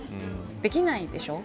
できないでしょう。